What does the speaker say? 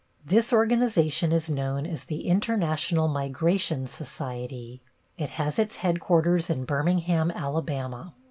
This organization is known as "The International Migration Society." It has its headquarters in Birmingham, Alabama.